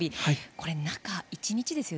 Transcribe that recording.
これ、中１日ですよ。